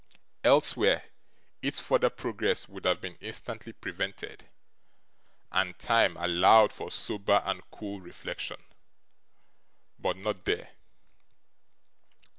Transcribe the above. Elsewhere, its further progress would have been instantly prevented, and time allowed for sober and cool reflection; but not there.